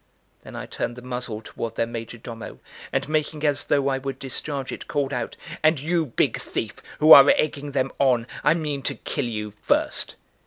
Then I turned the muzzle toward their major domo, and making as though I would discharge it, called out: "And you big thief, who are egging them on, I mean to kill you first."